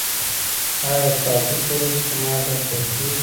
ایا د تحقیق په ورځو کې معاش ورکول کیږي؟